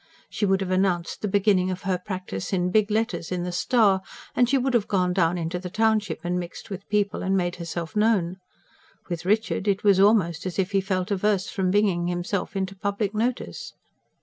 She would have announced the beginning of her practice in big letters in the STAR, and she would have gone down into the township and mixed with people and made herself known. With Richard, it was almost as if he felt averse from bringing himself into public notice.